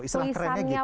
istilah kerennya gitu